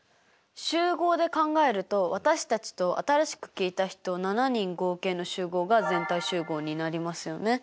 集合で考えると私たちと新しく聞いた人７人合計の集合が全体集合になりますよね。